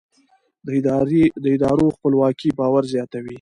د ادارو خپلواکي باور زیاتوي